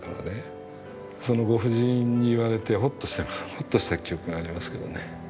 そのご婦人に言われてほっとした記憶がありますけどね。